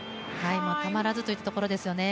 たまらずといったところですよね。